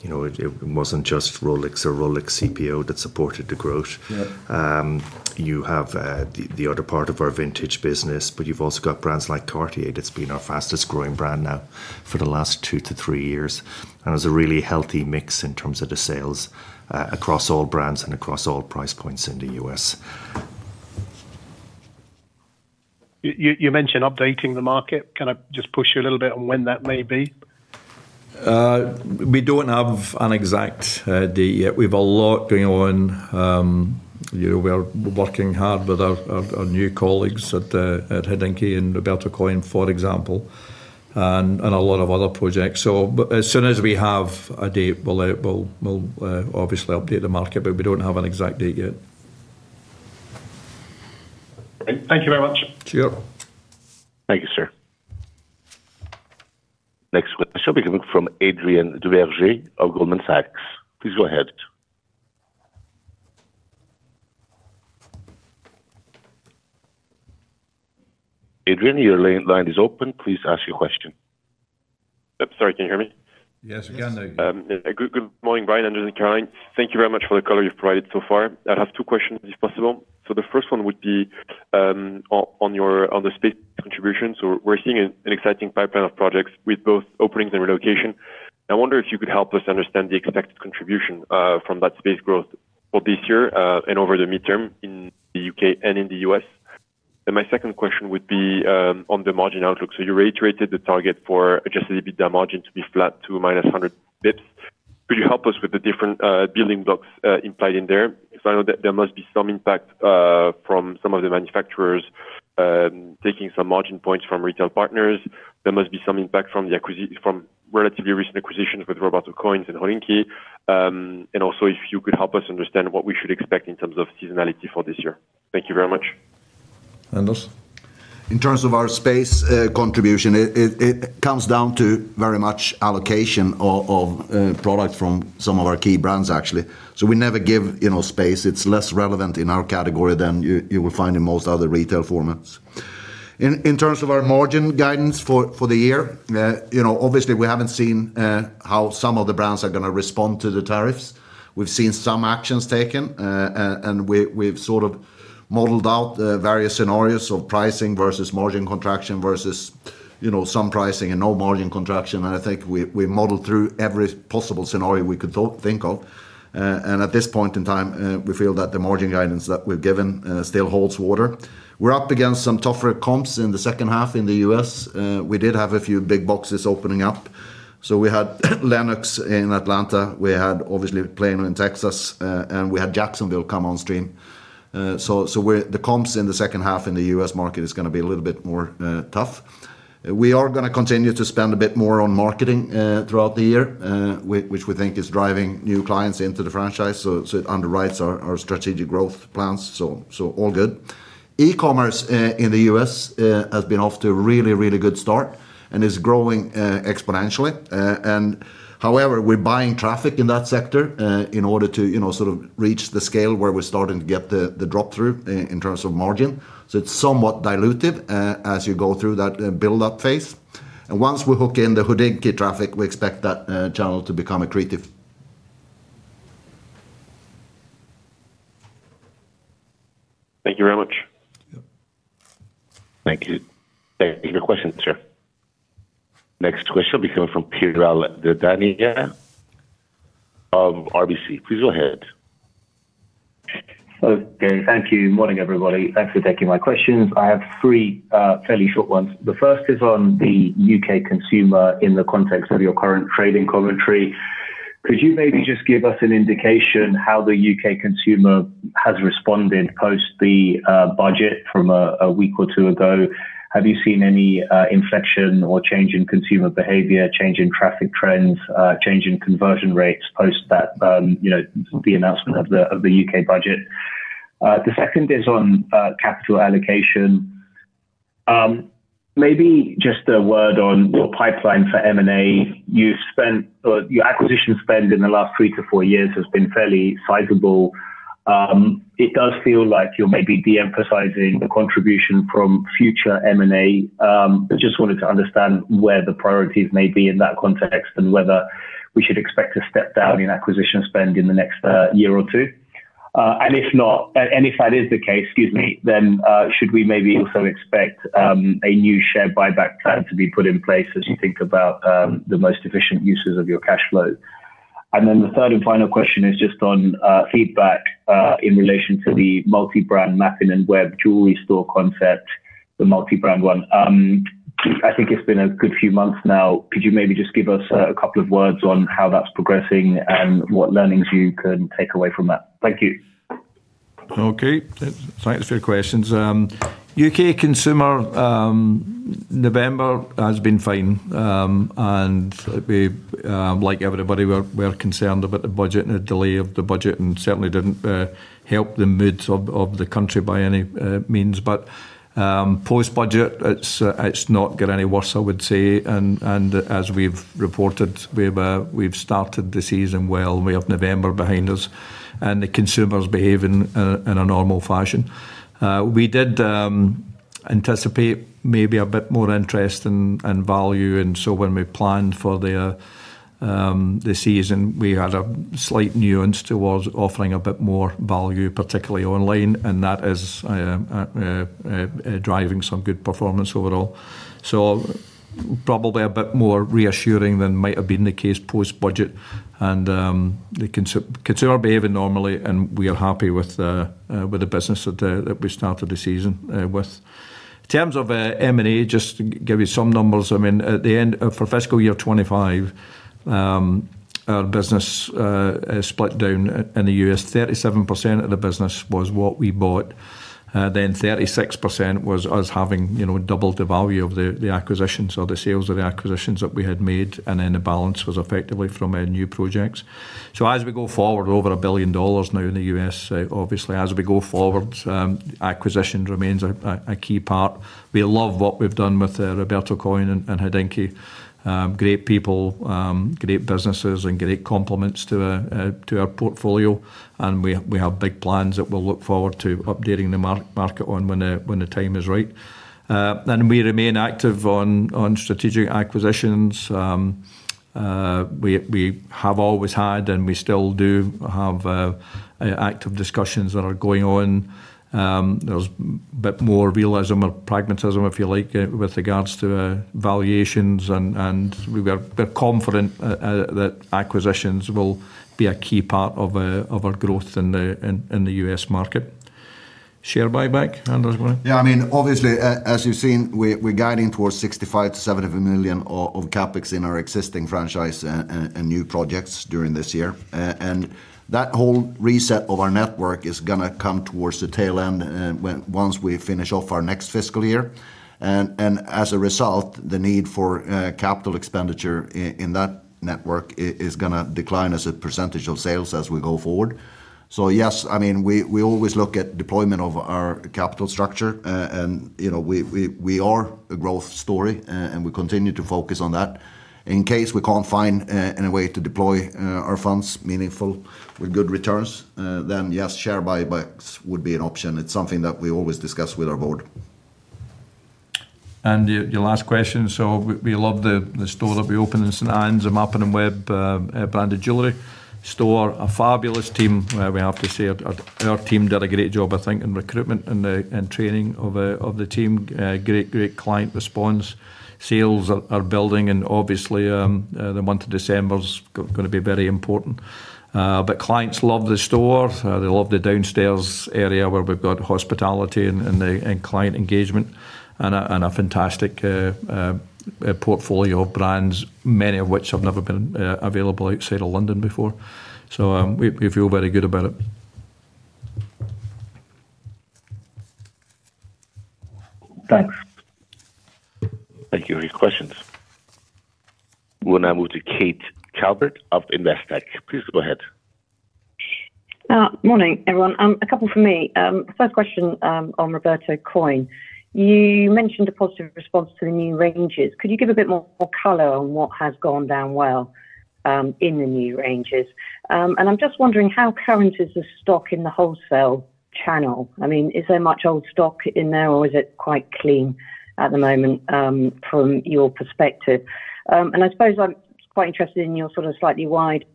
it wasn't just Rolex or Rolex CPO that supported the growth. You have the other part of our vintage business, but you've also got brands like Cartier. It's been our fastest growing brand now for the last two to three years. And it was a really healthy mix in terms of the sales across all brands and across all price points in the U.S. You mentioned updating the market. Can I just push you a little bit on when that may be? We don't have an exact date yet. We have a lot going on. We're working hard with our new colleagues at Hodinkee and Roberto Coin, for example, and a lot of other projects. So as soon as we have a date, we'll obviously update the market, but we don't have an exact date yet. Thank you very much. Thank you, sir. Next question will be coming from Adrien Duverger of Goldman Sachs. Please go ahead. Adrien, your line is open. Please ask your question. Sorry, can you hear me? Yes, we can. Good morning, Brian. Thank you very much for the color you've provided so far. I have two questions, if possible. So the first one would be on the space contributions. We're seeing an exciting pipeline of projects with both openings and relocation. I wonder if you could help us understand the expected contribution from that space growth for this year and over the midterm in the U.K. and in the U.S. And my second question would be on the margin outlook. So you reiterated the target for Adjusted EBITDA margin to be flat to -100 bps. Could you help us with the different building blocks implied in there? I know that there must be some impact from some of the manufacturers taking some margin points from retail partners. There must be some impact from relatively recent acquisitions with Roberto Coin and Hodinkee. And also, if you could help us understand what we should expect in terms of seasonality for this year. Thank you very much. In terms of our space contribution, it comes down to very much allocation of product from some of our key brands, actually. So we never give space. It's less relevant in our category than you will find in most other retail formats. In terms of our margin guidance for the year, obviously, we haven't seen how some of the brands are going to respond to the tariffs. We've seen some actions taken, and we've sort of modeled out various scenarios of pricing versus margin contraction versus some pricing and no margin contraction. And I think we modeled through every possible scenario we could think of. And at this point in time, we feel that the margin guidance that we've given still holds water. We're up against some tougher comps in the second half in the U.S. We did have a few big boxes opening up. So we had Lenox in Atlanta. We had obviously Plano in Texas, and we had Jacksonville come on stream. So the comps in the second half in the U.S. market is going to be a little bit more tough. We are going to continue to spend a bit more on marketing throughout the year, which we think is driving new clients into the franchise, so it underwrites our strategic growth plans, so all good. E-commerce in the U.S. has been off to a really, really good start and is growing exponentially, and however, we're buying traffic in that sector in order to sort of reach the scale where we're starting to get the drop-through in terms of margin, so it's somewhat dilutive as you go through that build-up phase, and once we hook in the Hodinkee traffic, we expect that channel to become accretive. Thank you very much. Thank you. Thank you for your question, sir. Next question will be coming from Piral Dadhania of RBC. Please go ahead. Thank you. Morning, everybody. Thanks for taking my questions. I have three fairly short ones. The first is on the U.K. consumer in the context of your current trading commentary. Could you maybe just give us an indication of how the U.K. consumer has responded post the budget from a week or two ago? Have you seen any inflection or change in consumer behavior, change in traffic trends, change in conversion rates post the announcement of the U.K. budget? The second is on capital allocation. Maybe just a word on your pipeline for M&A. Your acquisition spend in the last three to four years has been fairly sizable. It does feel like you're maybe de-emphasizing the contribution from future M&A. I just wanted to understand where the priorities may be in that context and whether we should expect to step down in acquisition spend in the next year or two. And if that is the case, excuse me, then should we maybe also expect a new share buyback plan to be put in place as you think about the most efficient uses of your cash flow? And then the third and final question is just on feedback in relation to the multi-brand Mappin & Webb jewelry store concept, the multi-brand one. I think it's been a good few months now. Could you maybe just give us a couple of words on how that's progressing and what learnings you can take away from that? Thank you. Okay. Thanks for your questions. U.K. consumer November has been fine. And like everybody, we're concerned about the budget and the delay of the budget and certainly didn't help the mood of the country by any means. But post-budget, it's not got any worse, I would say. As we've reported, we've started the season well. We have November behind us, and the consumer is behaving in a normal fashion. We did anticipate maybe a bit more interest and value, and so when we planned for the season, we had a slight nuance towards offering a bit more value, particularly online, and that is driving some good performance overall, so probably a bit more reassuring than might have been the case post-budget, and the consumer behaved normally, and we are happy with the business that we started the season with. In terms of M&A, just to give you some numbers, I mean, at the end for fiscal year 2025, our business split down in the U.S. 37% of the business was what we bought. Then 36% was us having doubled the value of the acquisitions or the sales of the acquisitions that we had made. Then the balance was effectively from our new projects. So as we go forward, over $1 billion now in the U.S., obviously, as we go forward, acquisition remains a key part. We love what we've done with Roberto Coin and Hodinkee. Great people, great businesses, and great complements to our portfolio. We have big plans that we'll look forward to updating the market on when the time is right. We remain active on strategic acquisitions. We have always had, and we still do have active discussions that are going on. There's a bit more realism or pragmatism, if you like, with regards to valuations. We're confident that acquisitions will be a key part of our growth in the U.S. market. Share buyback. Yeah, I mean, obviously, as you've seen, we're guiding towards 65 million-70 million of CapEx in our existing franchise and new projects during this year. And that whole reset of our network is going to come towards the tail end once we finish off our next fiscal year. And as a result, the need for capital expenditure in that network is going to decline as a percentage of sales as we go forward. So yes, I mean, we always look at deployment of our capital structure. And we are a growth story, and we continue to focus on that. In case we can't find any way to deploy our funds meaningful with good returns, then yes, share buybacks would be an option. It's something that we always discuss with our board. And your last question. So we love the store that we opened in St. Ann's, and Mappin & Webb-branded jewelry store, a fabulous team. We have to say our team did a great job, I think, in recruitment and training of the team. Great, great client response. Sales are building, and obviously, the month of December is going to be very important. But clients love the store. They love the downstairs area where we've got hospitality and client engagement and a fantastic portfolio of brands, many of which have never been available outside of London before. So we feel very good about it. Thanks. Thank you. Any questions? We'll now move to Kate Calvert of Investec. Please go ahead. Morning, everyone. A couple for me. First question on Roberto Coin. You mentioned a positive response to the new ranges. Could you give a bit more color on what has gone down well in the new ranges? And I'm just wondering how current is the stock in the wholesale channel? I mean, is there much old stock in there, or is it quite clean at the moment from your perspective? And I suppose I'm quite interested in your sort of slightly wider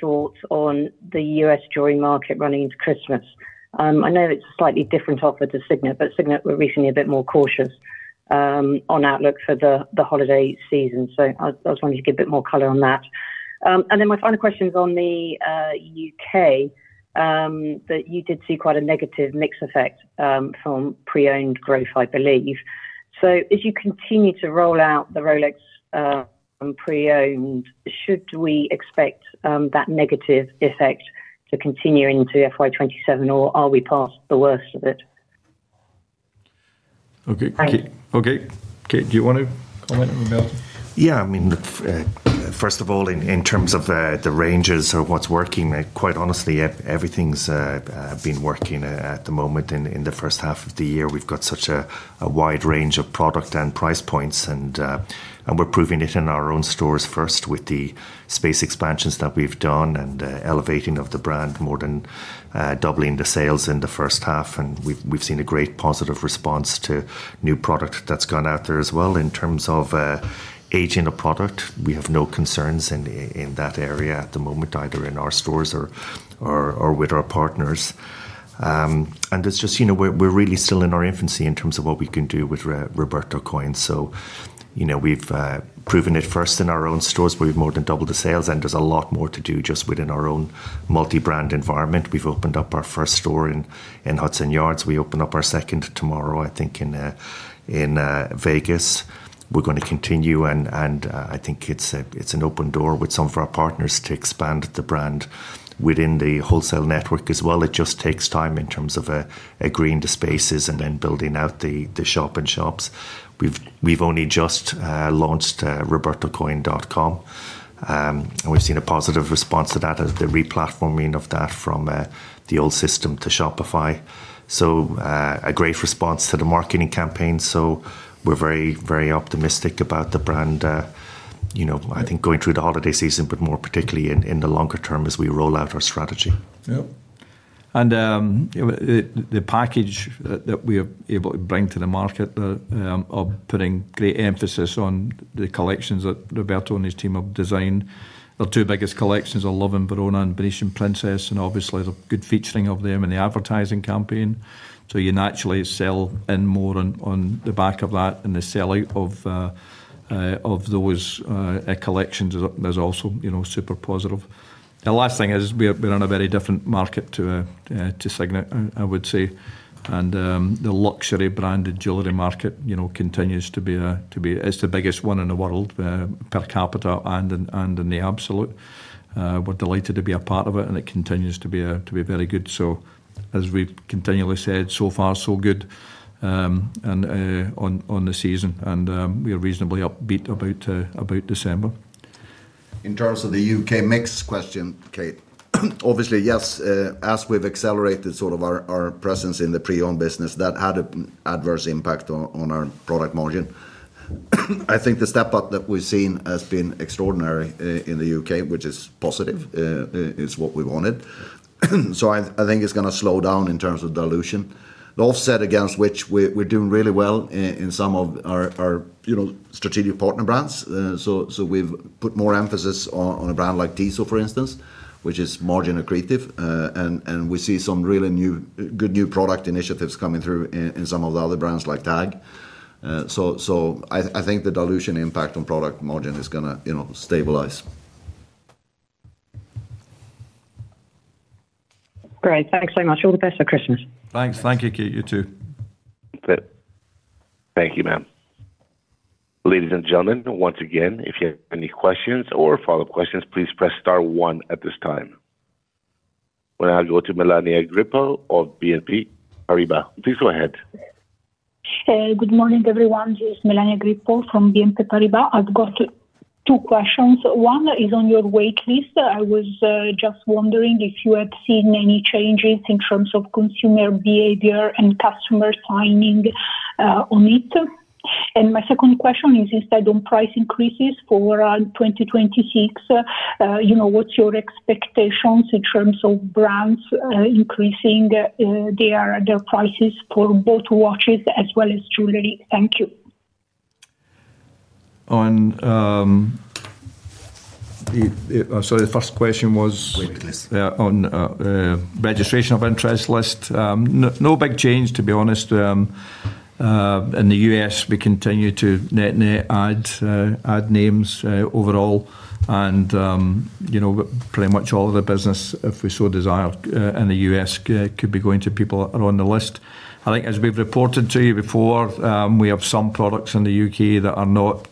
thoughts on the U.S. jewelry market running into Christmas. I know it's a slightly different offer to Signet, but Signet were recently a bit more cautious on outlook for the holiday season. So I just wanted to give a bit more color on that. And then my final question is on the U.K., that you did see quite a negative mix effect from pre-owned growth, I believe. So as you continue to roll out the Rolex pre-owned, should we expect that negative effect to continue into FY27, or are we past the worst of it? Okay. Okay. Kate, do you want to comment on the reality? Yeah. I mean, first of all, in terms of the ranges or what's working, quite honestly, everything's been working at the moment in the first half of the year. We've got such a wide range of product and price points, and we're proving it in our own stores first with the space expansions that we've done and elevating of the brand, more than doubling the sales in the first half. And we've seen a great positive response to new product that's gone out there as well in terms of aging of product. We have no concerns in that area at the moment, either in our stores or with our partners. And it's just we're really still in our infancy in terms of what we can do with Roberto Coin. So we've proven it first in our own stores, but we've more than doubled the sales. And there's a lot more to do just within our own multi-brand environment. We've opened up our first store in Hudson Yards. We opened up our second tomorrow, I think, in Vegas. We're going to continue. And I think it's an open door with some of our partners to expand the brand within the wholesale network as well. It just takes time in terms of agreeing to spaces and then building out the shop and shops. We've only just launched robertocoin.com. We've seen a positive response to that, the replatforming of that from the old system to Shopify. So a great response to the marketing campaign. So we're very, very optimistic about the brand, I think, going through the holiday season, but more particularly in the longer term as we roll out our strategy. The package that we are able to bring to the market, of putting great emphasis on the collections that Roberto and his team have designed. The two biggest collections are Love in Verona and Venetian Princess, and obviously, the good featuring of them in the advertising campaign. So you naturally sell in more on the back of that and the sell-out of those collections is also super positive. The last thing is we're in a very different market to Signet, I would say. The luxury branded jewelry market continues to be. It's the biggest one in the world per capita and in the absolute. We're delighted to be a part of it, and it continues to be very good. So as we've continually said, so far, so good on the season. We're reasonably upbeat about December. In terms of the U.K. mix question, Kate, obviously, yes. As we've accelerated sort of our presence in the pre-owned business, that had an adverse impact on our product margin. I think the step-up that we've seen has been extraordinary in the U.K., which is positive, is what we wanted. So I think it's going to slow down in terms of dilution. The offset against which we're doing really well in some of our strategic partner brands. So we've put more emphasis on a brand like Tissot, for instance, which is margin accretive. And we see some really good new product initiatives coming through in some of the other brands like TAG. So I think the dilution impact on product margin is going to stabilize. Great. Thanks very much. All the best for Christmas. Thanks. Thank you, Kate. You too. Thank you, ma'am. Ladies and gentlemen, once again, if you have any questions or follow-up questions, please press star one at this time. We'll now go to Melania Grippo of BNP Paribas. Please go ahead. Good morning, everyone. This is Melania Grippo from BNP Paribas. I've got two questions. One is on your waitlist. I was just wondering if you had seen any changes in terms of consumer behavior and customer signing on it. And my second question is instead on price increases for 2026. What's your expectations in terms of brands increasing their prices for both watches as well as jewelry? Thank you. Sorry, the first question was on registration of interest list. No big change, to be honest. In the U.S., we continue to net names overall. And pretty much all of the business, if we so desire, in the U.S. could be going to people on the list. I think as we've reported to you before, we have some products in the U.K. that are not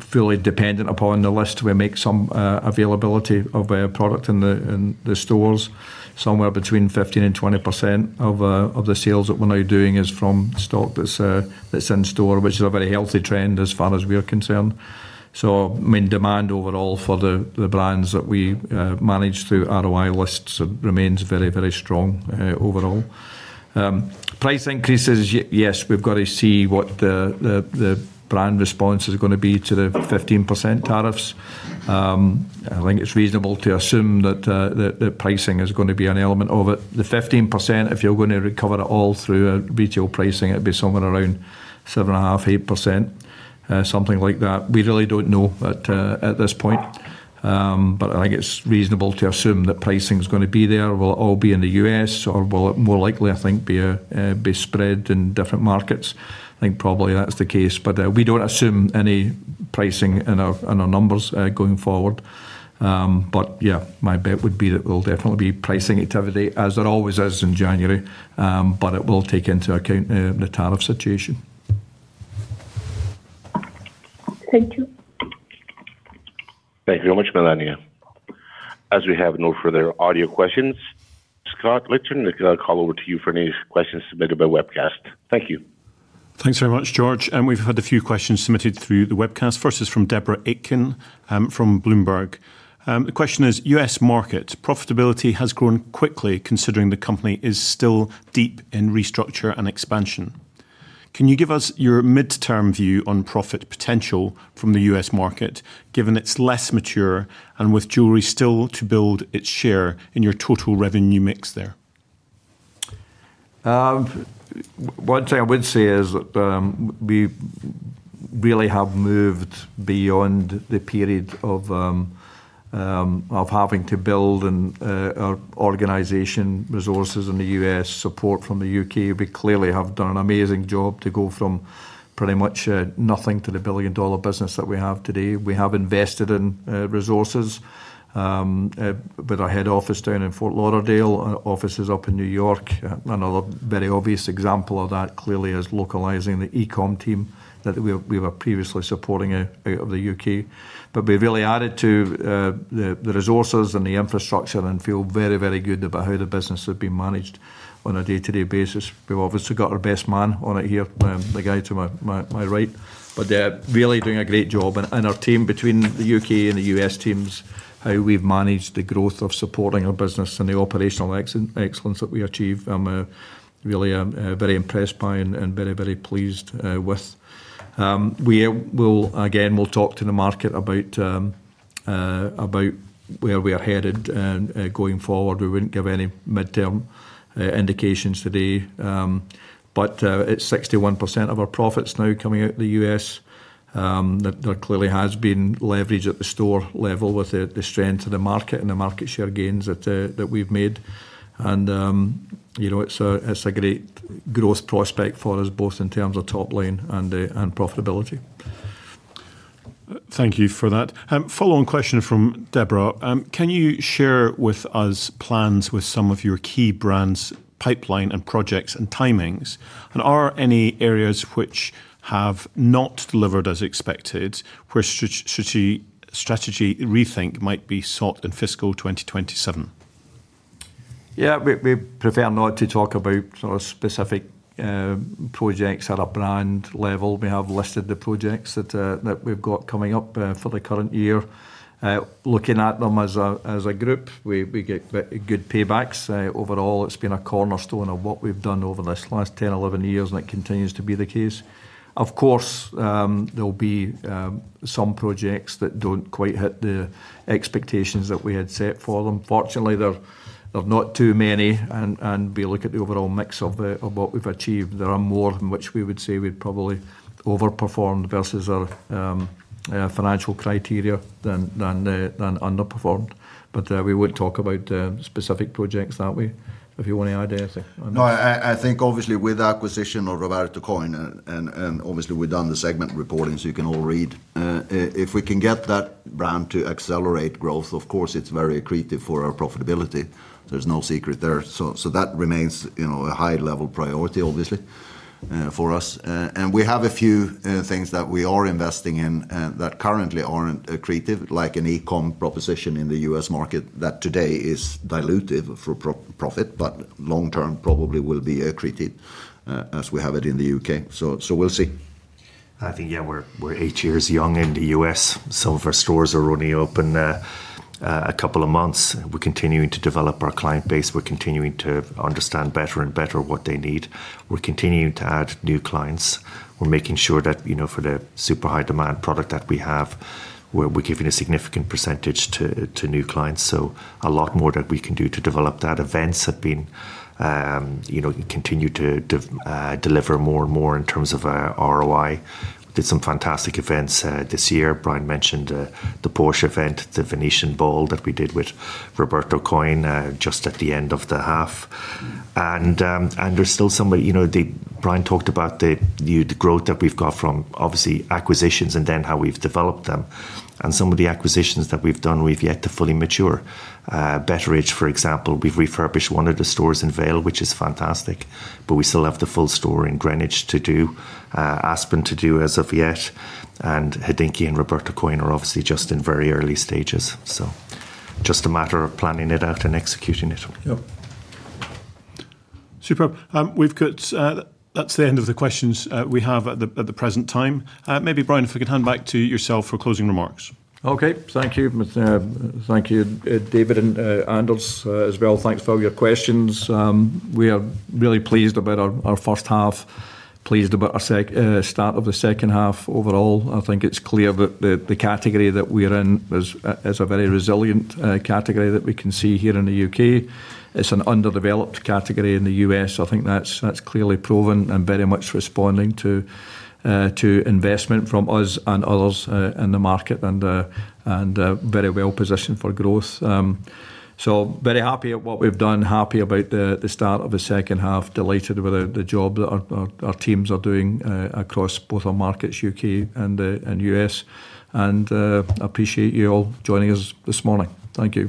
fully dependent upon the list. We make some availability of product in the stores. Somewhere between 15%-20% of the sales that we're now doing is from stock that's in store, which is a very healthy trend as far as we're concerned. So I mean, demand overall for the brands that we manage through our wholesale remains very, very strong overall. Price increases, yes, we've got to see what the brand response is going to be to the 15% tariffs. I think it's reasonable to assume that pricing is going to be an element of it. The 15%, if you're going to recover it all through retail pricing, it'd be somewhere around 7.5%-8%, something like that. We really don't know at this point. But I think it's reasonable to assume that pricing is going to be there. Will it all be in the U.S., or will it more likely, I think, be spread in different markets? I think probably that's the case. But we don't assume any pricing in our numbers going forward. But yeah, my bet would be that we'll definitely be pricing activity, as there always is in January, but it will take into account the tariff situation. Thank you. Thank you very much, Melania. As we have no further audio questions, Scott Lichten, we're going to call over to you for any questions submitted by Webcast. Thank you. Thanks very much, George. And we've had a few questions submitted through the Webcast. The first is from Deborah Aitken from Bloomberg. The question is, U.S. market profitability has grown quickly considering the company is still deep in restructuring and expansion. Can you give us your midterm view on profit potential from the U.S. market, given it's less mature and with jewelry still to build its share in your total revenue mix there? What I would say is that we really have moved beyond the period of having to build our organization resources in the U.S., support from the U.K. We clearly have done an amazing job to go from pretty much nothing to the billion-dollar business that we have today. We have invested in resources with our head office down in Fort Lauderdale, offices up in New York. Another very obvious example of that clearly is localizing the e-com team that we were previously supporting out of the U.K. But we've really added to the resources and the infrastructure and feel very, very good about how the business has been managed on a day-to-day basis. We've obviously got our best man on it here, the guy to my right, but they're really doing a great job, and our team between the U.K. and the U.S. teams, how we've managed the growth of supporting our business and the operational excellence that we achieve, I'm really very impressed by and very, very pleased with. Again, we'll talk to the market about where we are headed going forward. We wouldn't give any midterm indications today. But it's 61% of our profits now coming out of the U.S. There clearly has been leverage at the store level with the strength of the market and the market share gains that we've made, and it's a great growth prospect for us, both in terms of top line and profitability. Thank you for that. Following question from Deborah. Can you share with us plans with some of your key brands, pipeline, and projects and timings? And are there any areas which have not delivered as expected where strategy rethink might be sought in fiscal 2027? Yeah, we prefer not to talk about specific projects at a brand level. We have listed the projects that we've got coming up for the current year. Looking at them as a group, we get good paybacks. Overall, it's been a cornerstone of what we've done over this last 10, 11 years, and it continues to be the case. Of course, there will be some projects that don't quite hit the expectations that we had set for them. Fortunately, there are not too many, and we look at the overall mix of what we've achieved. There are more in which we would say we'd probably overperformed versus our financial criteria than underperformed. But we won't talk about specific projects that way. If you want to add anything. No, I think obviously with acquisition of Roberto Coin, and obviously we've done the segment reporting so you can all read. If we can get that brand to accelerate growth, of course, it's very accretive for our profitability. There's no secret there. So that remains a high-level priority, obviously, for us. And we have a few things that we are investing in that currently aren't accretive, like an e-com proposition in the U.S. market that today is dilutive for profit, but long-term probably will be accretive as we have it in the U.K. So we'll see. I think, yeah, we're eight years young in the U.S. Some of our stores are only open a couple of months. We're continuing to develop our client base. We're continuing to understand better and better what they need. We're continuing to add new clients. We're making sure that for the super high-demand product that we have, we're giving a significant percentage to new clients, so a lot more that we can do to develop that. Events have been continued to deliver more and more in terms of ROI. We did some fantastic events this year. Brian mentioned the Porsche event, the Venetian Ball that we did with Roberto Coin just at the end of the half, and there's still some of the Brian talked about the growth that we've got from obviously acquisitions and then how we've developed them, and some of the acquisitions that we've done, we've yet to fully mature. Betteridge, for example, we've refurbished one of the stores in Vail, which is fantastic, but we still have the full store in Greenwich to do, Aspen to do as of yet. And Hodinkee and Roberto Coin are obviously just in very early stages. So just a matter of planning it out and executing it. Superb. That's the end of the questions we have at the present time. Maybe, Brian, if we could hand back to yourself for closing remarks. Okay. Thank you. Thank you, David and Anders, as well. Thanks for your questions. We are really pleased about our first half, pleased about our start of the second half overall. I think it's clear that the category that we are in is a very resilient category that we can see here in the U.K. It's an underdeveloped category in the U.S. I think that's clearly proven and very much responding to investment from us and others in the market and very well positioned for growth. So very happy at what we've done, happy about the start of the second half, delighted with the job that our teams are doing across both our markets, U.K. and U.S. And I appreciate you all joining us this morning. Thank you.